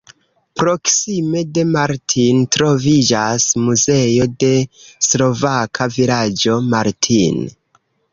Proksime de Martin troviĝas Muzeo de slovaka vilaĝo Martin.